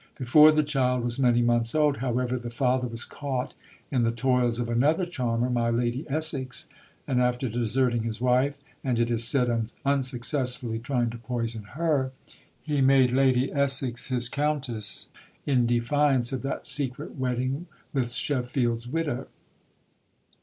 Before the child was many months old, however, the father was caught in the toils of another charmer, my Lady Essex, and after deserting his wife and, it is said, unsuccessfully trying to poison her, he made Lady Essex his Countess, in defiance of that secret wedding with Sheffield's widow.